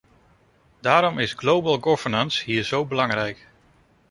Daarom is "global governance” hier zo belangrijk.